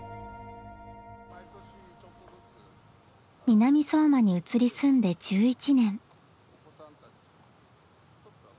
南相馬に移り住んで１１年。